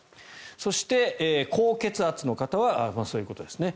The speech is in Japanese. そして、高血圧の方はそういうことですね。